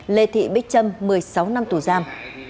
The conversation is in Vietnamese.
lê thị bích trâm một mươi sáu năm tù giam